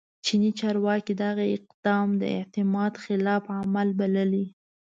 چیني چارواکي دغه اقدام د اعتماد خلاف عمل بللی